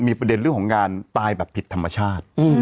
มีประเด็นเรื่องของการตายแบบผิดธรรมชาติ